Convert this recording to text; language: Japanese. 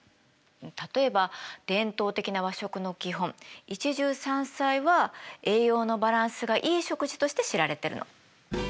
例えば伝統的な和食の基本一汁三菜は栄養のバランスがいい食事として知られてるの。